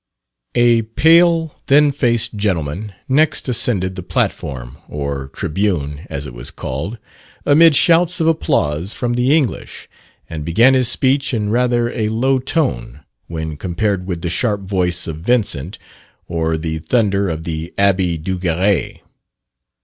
A pale, thin faced gentleman next ascended the platform (or tribune, as it was called) amid shouts of applause from the English, and began his speech in rather a low tone, when compared with the sharp voice of Vincent, or the thunder of the Abbe Duguerry.